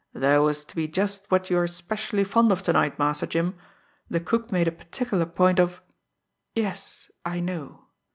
"There was to be just what you are especially fond of to night, Master Jim; the cook made a particular point of " "Yes; I know."